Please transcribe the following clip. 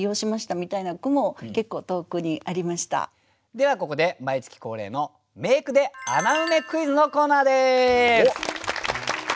ではここで毎月恒例の「名句ｄｅ穴埋めクイズ」のコーナーです。